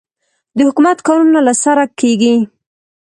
د حکومت کارونه له سره کېږي.